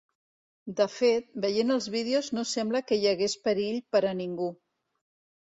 De fet, veient els vídeos no sembla que hi hagués perill per a ningú.